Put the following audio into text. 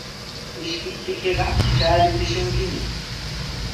Ishkiptiykiqa shaarichishunkimi.